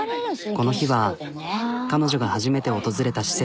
この日は彼女が初めて訪れた施設。